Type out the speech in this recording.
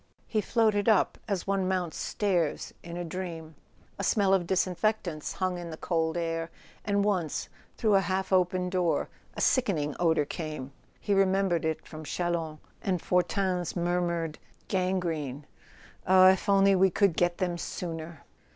He floated up as one mounts stairs in a dream. A smell of disinfectants hung in the cold air, and once, through [ 277 ] A SON AT THE FRONT a half open door, a sickening odour came: he remem¬ bered it at Chalons, and Fortin's murmured: ''Gangrene —ah, if only we could get them sooner!"